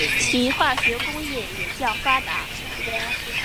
其化学工业也较发达。